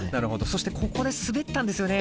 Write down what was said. そしてここで滑ったんですよね。